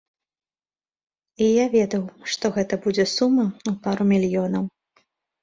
І я ведаў, што гэта будзе сума ў пару мільёнаў.